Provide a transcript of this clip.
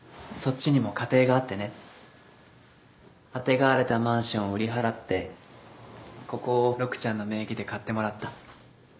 そっちにも家庭があってねあてがわれたマンションを売り払ってここを陸ちゃんの名義で買ってもらった。